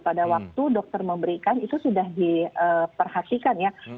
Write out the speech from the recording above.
pada waktu dokter memberikan itu sudah diperhatikan ya